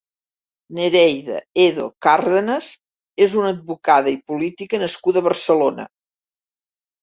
Nereida Edo Cárdenas és una advocada i política nascuda a Barcelona.